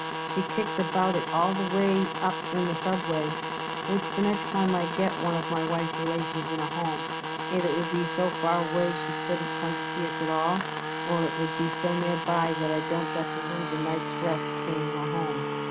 She kicks about it all the way up in the subway, which the next time I get one of my wife's relations in a Home, either it would be so far away she couldn't come to see us at all, or it would be so nearby that I don't got to lose a night's rest seeing her home.